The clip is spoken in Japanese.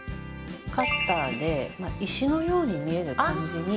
カッターで石のように見える感じに。